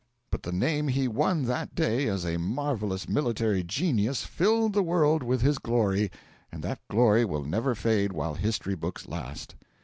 But the name he won that day as a marvellous military genius filled the world with his glory, and that glory will never fade while history books last.